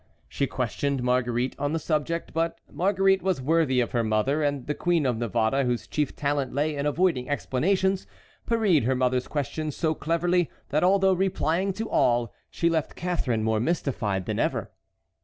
She questioned Marguerite on the subject, but Marguerite was worthy of her mother, and the Queen of Navarre, whose chief talent lay in avoiding explanations, parried her mother's questions so cleverly that although replying to all she left Catharine more mystified than ever.